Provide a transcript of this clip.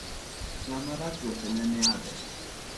Gima rach, wuoche ne e yadhe.